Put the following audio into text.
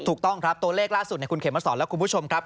ถูกต้องครับตัวเลขล่าสุดคุณเขมสอนและคุณผู้ชมครับ